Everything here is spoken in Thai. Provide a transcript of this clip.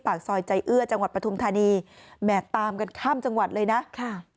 ปากซอยใจเอื้อจังหวัดปฐุมธานีแหมกตามกันข้ามจังหวัดเลยนะค่ะ